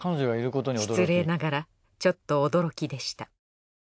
失礼ながらちょっと驚きでした。